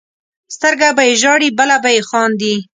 سترګه به یې ژاړي بله به یې خاندي.